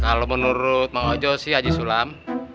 kalau menurut ma ojo si haji sulam